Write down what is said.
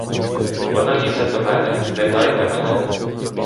Вона лізе до мене, не дайте мене!